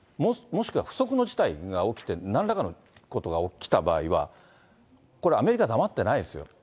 もしくは不測の事態が起きて、なんらかのことが起きた場合は、これ、アメリカ、黙ってないですよ。